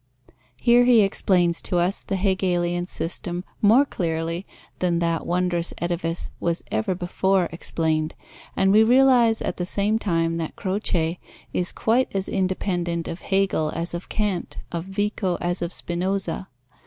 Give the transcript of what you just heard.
Here he explains to us the Hegelian system more clearly than that wondrous edifice was ever before explained, and we realize at the same time that Croce is quite as independent of Hegel as of Kant, of Vico as of Spinoza.